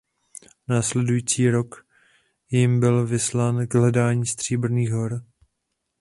Následující rok jím byl vyslán k hledání "Stříbrných hor".